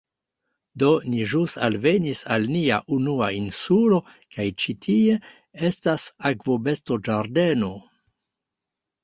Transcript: Do, ni ĵus alvenis al nia unua insulo kaj ĉi tie estas akvobestoĝardeno